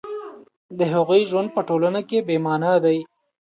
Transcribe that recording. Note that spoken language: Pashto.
د هغوی ژوند په ټولنه کې بې مانا دی